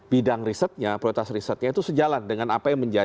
bidang risetnya prioritas risetnya